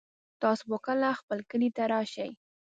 تاسو به کله خپل کلي ته راشئ